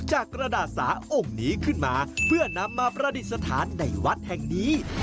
กระดาษสาองค์นี้ขึ้นมาเพื่อนำมาประดิษฐานในวัดแห่งนี้